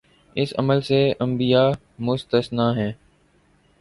اس عمل سے انبیا مستثنی ہیں۔